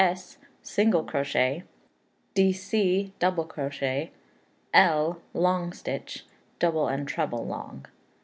single crochet; Dc., double crochet; L., long stitch; Double and treble long.